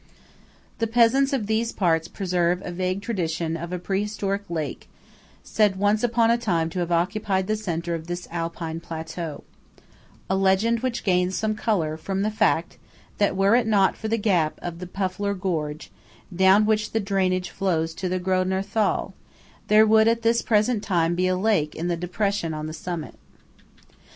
The peasants of these parts preserve vague traditions of a pre historic lake said once upon a time to have occupied the centre of this Alpine plateau; a legend which gains some colour from the fact that were it not for the gap of the Pufler gorge, down which the drainage flows to the Grödner Thal, there would at this present time be a lake in the depression on the summit.